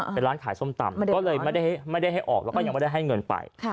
เป็นร้านขายส้มตำก็เลยไม่ได้ให้ออกแล้วก็ยังไม่ได้ให้เงินไป